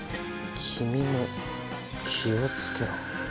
君も気をつけろ。